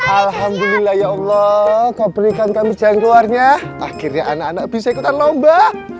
alhamdulillah ya allah kau berikan kami jalan keluarnya akhirnya anak anak bisa ikutan lomba